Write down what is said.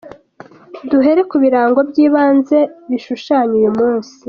Duhere ku birango by’ibanze bishushanya uyu munsi.